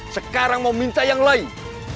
sekarang mau minta yang lain